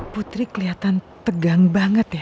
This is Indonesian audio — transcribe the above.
putri kelihatan tegang banget ya